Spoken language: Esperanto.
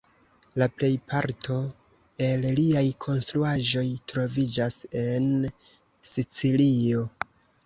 La plejparto el liaj konstruaĵoj troviĝas en Sicilio.